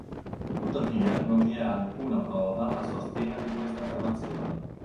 Tuttavia non vi è alcuna prova a sostegno di queste affermazioni.